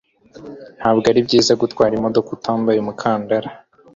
Ntabwo ari byiza gutwara imodoka utambaye umukandara.